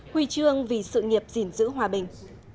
huy chương vì sự nghiệp diện giữ hòa bình